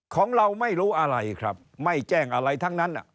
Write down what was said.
ของเราไม่รู้อะไรครับไม่แจ้งอะไรทั้งนั้น